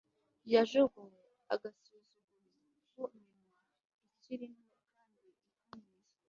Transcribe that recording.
Yajugunywe agasuzuguro ku minwa ikiri nto kandi ikomeye